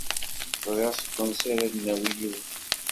Ẓriɣ seg wansi ara d-nawi yiwen.